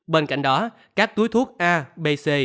bên cạnh đó các túi thuốc a b c